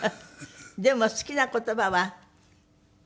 でも好きな言葉は。